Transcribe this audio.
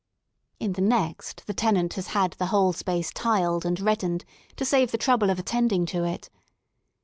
In the next the tenant has had the whole space tiled and reddened to save the trouble of attending to it.